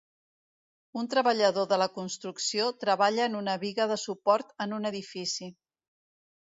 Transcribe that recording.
Un treballador de la construcció treballa en una biga de suport en un edifici.